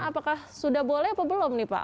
apakah sudah boleh atau belum nih pak